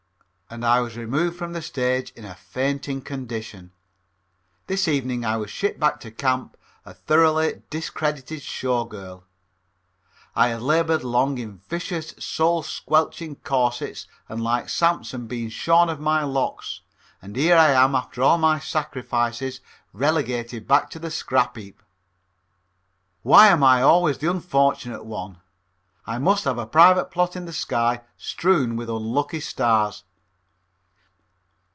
and I was removed from the stage in a fainting condition. This evening I was shipped back to camp a thoroughly discredited Show Girl. I had labored long in vicious, soul squelching corsets and like Samson been shorn of my locks, and here I am after all my sacrifices relegated back to the scrap heap. Why am I always the unfortunate one? I must have a private plot in the sky strewn with unlucky stars.